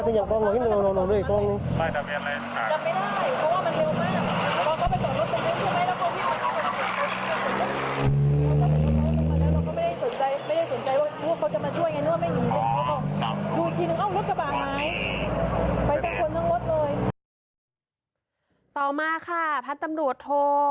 ต่อมาค่ะพัทรตำรวจโทร